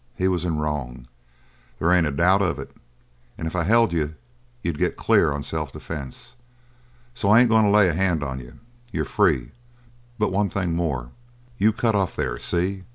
He was in wrong. There ain't a doubt of it, and if I held you, you'd get clear on self defense. So I ain't going to lay a hand on you. You're free: but one thing more. You cut off there see?